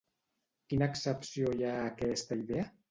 Quina excepció hi ha a aquesta idea?